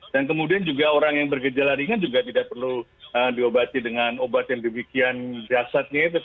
dan kemudian juga orang yang bergejala ringan juga tidak perlu diobati dengan obat yang demikian jasadnya